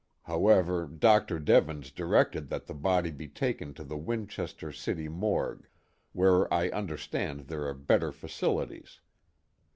However, Dr. Devens directed that the body be taken to the Winchester City morgue, where I understand there are better facilities.